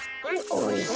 おいしい。